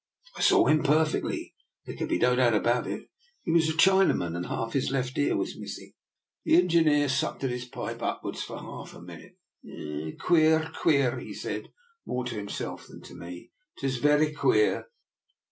I saw him perfectly. There could be no doubt about it. He was a China man, and half his left ear was missing.'' The chief engineer sucked at his pipe for upwards of half a minute. " Queer, queer,'*' he said, more to him self than to me, " 'tis vera queer.